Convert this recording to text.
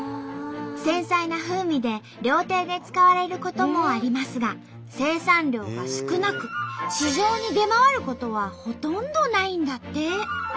繊細な風味で料亭で使われることもありますが生産量が少なく市場に出回ることはほとんどないんだって。